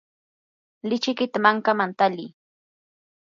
lichikita mankaman tali.